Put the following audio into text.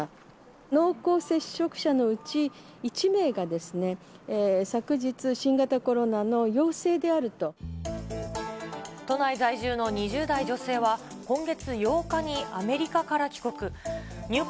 濃厚接触者のうち１名が、昨日、都内在住の２０代女性は、今月８日にアメリカから帰国。